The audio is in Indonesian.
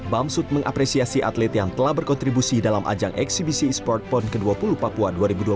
bamsud mengapresiasi atlet yang telah berkontribusi dalam ajang eksibisi e sport pon ke dua puluh papua dua ribu dua puluh